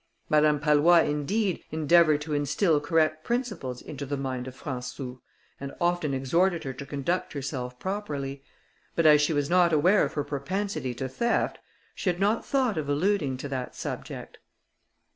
Madame Pallois, indeed, endeavoured to instil correct principles into the mind of Françou, and often exhorted her to conduct herself properly; but as she was not aware of her propensity to theft, she had not thought of alluding to that subject.